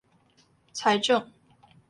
財政